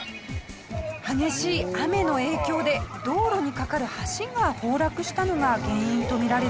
激しい雨の影響で道路に架かる橋が崩落したのが原因と見られています。